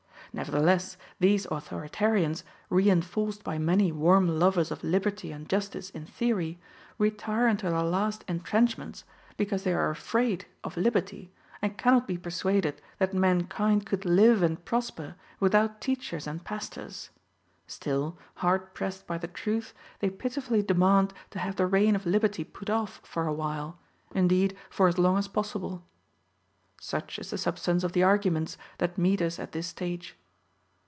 Nevertheless, these authoritarians, reinforced by many warm lovers of liberty and justice in theory, retire into their last entrenchments, because they are afraid of liberty, and cannot be persuaded that mankind could live and prosper without teachers and pastors; still, hard pressed by the truth, they pitifully demand to have the reign of liberty put off for a while, indeed for as long as possible. Such is the substance of the arguments that meet us at this stage.